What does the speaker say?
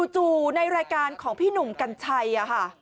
ในรายการของพี่หนุ่มกัญชัยค่ะ